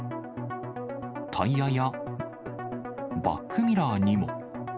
タイヤや、バックミラーにも。